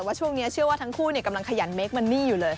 ว่าช่วงนี้เชื่อว่าทั้งคู่กำลังขยันเคคมันนี่อยู่เลย